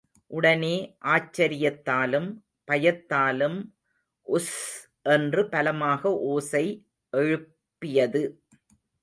உடனே ஆச்சரியத் தாலும், பயத்தாலும் உஸ்ஸ்... என்று பலமாக ஓசை எழுப் பியது.